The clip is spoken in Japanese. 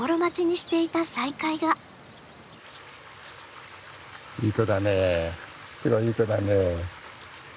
しろいい子だね。